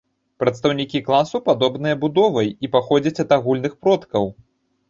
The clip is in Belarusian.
Прадстаўнікі класу падобныя будовай і паходзяць ад агульных продкаў.